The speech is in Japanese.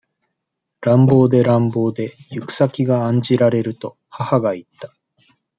乱暴で乱暴で、ゆく先が案じられると、母がいった。